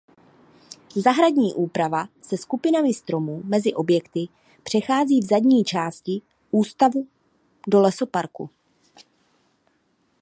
Zahradní úprava se skupinami stromů mezi objekty přechází v zadní části ústavu do lesoparku.